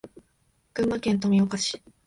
群馬県富岡市